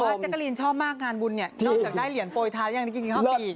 ถึงช่วงว่าเจ๊กกะรีนชอบมากงานบุญเนี่ยนอกจากได้เหรียญโปรไทยังได้กินอย่างนี้ข้อปีอีก